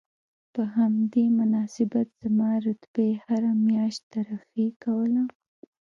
په همدې مناسبت زما رتبې هره میاشت ترفیع کوله